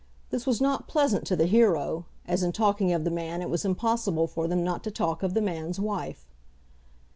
This was not pleasant to the hero, as in talking of the man it was impossible for them not to talk of the man's wife.